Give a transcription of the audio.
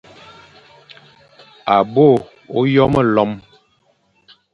À bôe ôyo melom,